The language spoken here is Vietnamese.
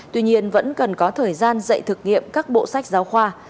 tuy nhiên vẫn cần có thời gian dạy thực nghiệm các bộ sách giáo khoa